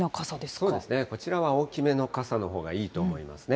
そうですね、こちらは大きめの傘のほうがいいと思いますね。